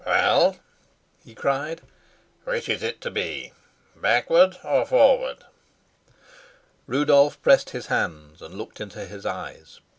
"Well?" he cried. "Which is it to be backward or forward?" Rudolf pressed his hands and looked into his eyes.